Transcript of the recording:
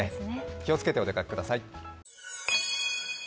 気をつけてお出かけください。